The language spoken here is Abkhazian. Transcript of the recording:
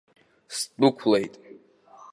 Сдәықәлеит.